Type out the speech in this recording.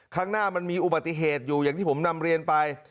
ข้างหน้ามันมีอุบัติเหตุอยู่อย่างที่ผมนำเรียนไป